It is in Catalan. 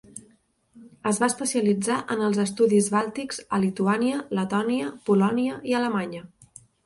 Es va especialitzar en els estudis bàltics a Lituània, Letònia, Polònia i Alemanya.